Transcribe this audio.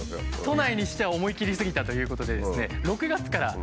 都内にしては思い切りすぎたということでですね